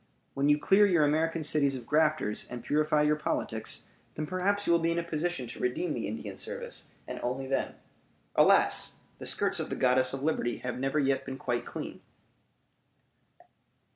When you clear your American cities of grafters, and purify your politics, then perhaps you will be in a position to redeem the Indian service, and only then. Alas! the skirts of the Goddess of Liberty have never yet been quite clean!